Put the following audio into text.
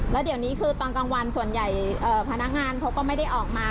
แล้วเดี๋ยวนี้คือตอนกลางวันส่วนใหญ่พนักงานเขาก็ไม่ได้ออกมา